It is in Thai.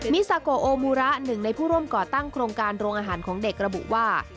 ซาโกโอมูระหนึ่งในผู้ร่วมก่อตั้งโครงการโรงอาหารของเด็กระบุว่า